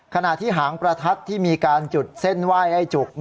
ขณะที่หางประทัดที่มีการจุดเส้นไหว้ไอ้จุก